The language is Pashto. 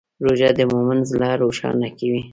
روژه د مؤمن زړه روښانه کوي.